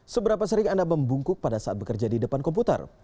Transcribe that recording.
seberapa sering anda membungkuk pada saat bekerja di depan komputer